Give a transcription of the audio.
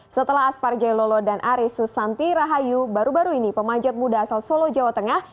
setelah aspar jailolo dan aris susanti rahayu baru baru ini pemanjat muda asal solo jawa tengah